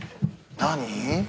何？